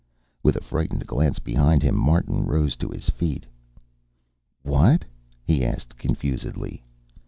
With a frightened glance behind him, Martin rose to his feet. "What?" he asked confusedly.